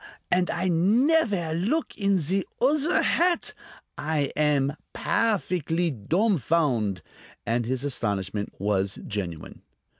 _ And I nevaire look in zee uzzer hat! I am _pair_fickly dumfound'!" And his astonishment was genuine.